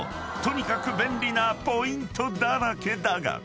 ［とにかく便利なポイントだらけだが］